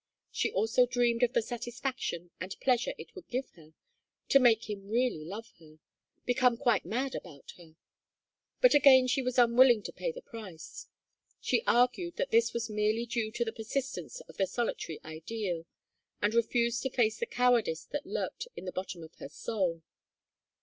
She also dreamed of the satisfaction and pleasure it would give her to make him really love her, become quite mad about her. But again she was unwilling to pay the price. She argued that this was merely due to the persistence of the solitary ideal; and refused to face the cowardice that lurked in the bottom of her soul.